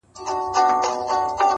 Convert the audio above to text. انسان د کاله خوښ ښه دئ، نه د مېلمانه.